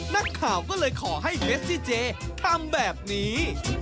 นักข่าวก็เลยขอให้เมซี่เจทำแบบนี้